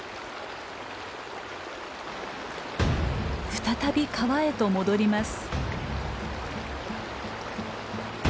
再び川へと戻ります。